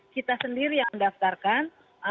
kita sendiri yang mendaftarkan